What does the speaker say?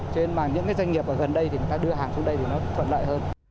cho nên mà những cái doanh nghiệp mà gần đây thì người ta đưa hàng xuống đây thì nó thuận lợi hơn